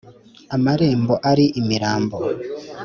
Amarembo ari imirambo